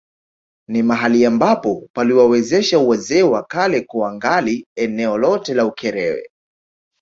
Ni mahali ambapo paliwawezesha wazee wa kale kuangali eneo lote la Ukerewe